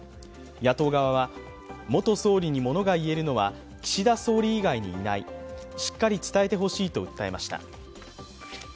野党側は、元総理にものが言えるのは岸田総理以外にいないしっかり伝えてほしいと訴えました。